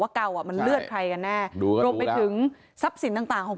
เก่าอ่ะมันเลือดใครกันแน่รวมไปถึงทรัพย์สินต่างต่างของ